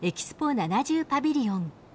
’７０パビリオン。